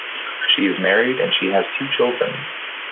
She is married and she has two children.